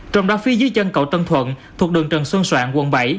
trong đó phía dưới chân cầu tân thuận thuộc đường trần xuân soạn quận bảy